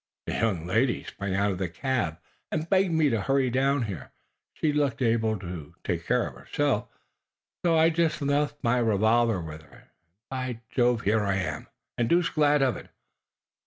The young lady sprang out of the cab and begged me to hurry down here. She looked able to take care of herself, so I just left my revolver with her, and, by Jove, here I am and deuced glad of it.